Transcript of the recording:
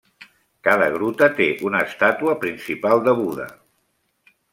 Cada gruta té una estàtua principal de Buda.